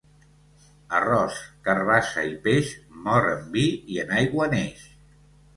Arròs, carabassa i peix, mor en vi i en aigua neix.